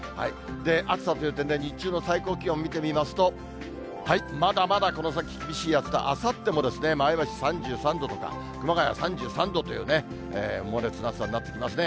暑さという点で、日中の最高気温見てみますと、まだまだこの先、厳しい暑さ、あさっても前橋３３度とか、熊谷３３度というね、猛烈な暑さになってきますね。